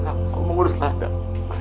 kau mengurus ladang